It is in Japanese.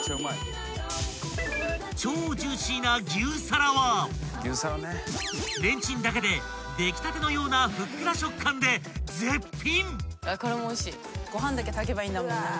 ［超ジューシーな牛皿はレンチンだけで出来たてのようなふっくら食感で絶品］